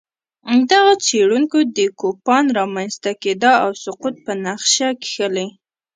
دغو څېړونکو د کوپان رامنځته کېدا او سقوط په نقشه کښلي